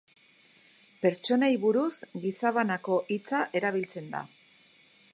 Pertsonei buruz, gizabanako hitza erabiltzen da.